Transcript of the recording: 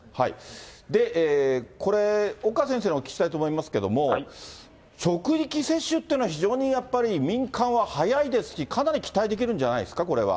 これ、岡先生にお聞きしたいと思いますけれども、職域接種というのは、非常にやっぱり民間は早いですし、かなり期待できるんじゃないです